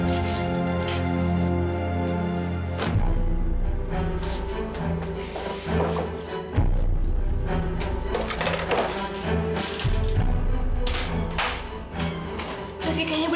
ibu ini apaan sih ibu